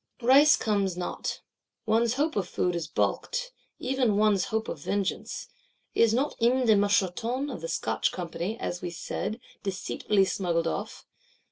Rice comes not; one's hope of food is baulked; even one's hope of vengeance: is not M. de Moucheton of the Scotch Company, as we said, deceitfully smuggled off?